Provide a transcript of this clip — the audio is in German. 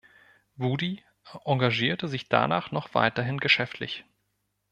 Woody engagierte sich danach noch weiterhin geschäftlich.